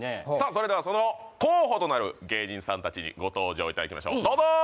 それではその候補となる芸人さん達にご登場いただきましょうどうぞ！